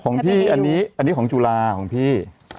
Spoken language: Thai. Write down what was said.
ของพี่อันนี้อันนี้ของจุลาของพี่